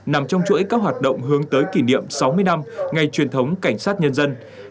nằm trong chuỗi các hoạt động hướng tới kỷ niệm sáu mươi năm ngày truyền thống cảnh sát nhân dân